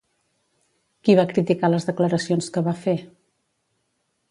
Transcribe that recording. Qui va criticar les declaracions que va fer?